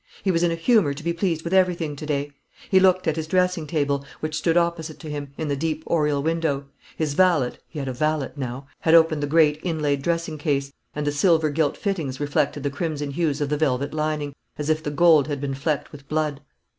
He was in a humour to be pleased with everything to day. He looked at his dressing table, which stood opposite to him, in the deep oriel window. His valet he had a valet now had opened the great inlaid dressing case, and the silver gilt fittings reflected the crimson hues of the velvet lining, as if the gold had been flecked with blood.